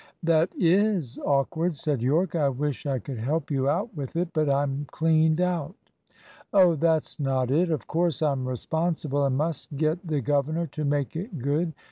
"That is awkward," said Yorke. "I wish I could help you out with it, but I'm cleaned out." "Oh, that's not it. Of course I'm responsible, and must get the governor to make it good.